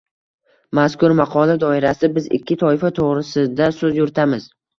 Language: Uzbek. Mazkur maqola doirasida biz ikki toifa to‘g‘risida so‘z yuritamiz.